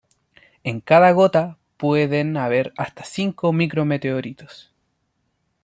En cada gota pueden haber hasta cinco micrometeoritos.